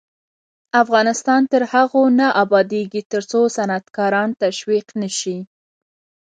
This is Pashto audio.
افغانستان تر هغو نه ابادیږي، ترڅو صنعتکاران تشویق نشي.